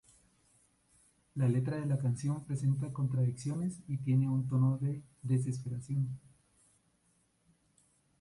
La letra de la canción presenta contradicciones y tiene un tono de desesperación.